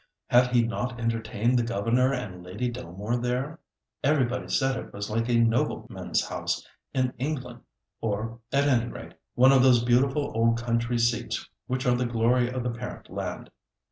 Had he not entertained the Governor and Lady Delmore there? Everybody said it was like a nobleman's house in England, or, at any rate, one of those beautiful old country seats which are the glory of the parent land.